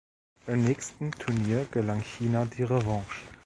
Beim nächsten Turnier gelang China die Revanche.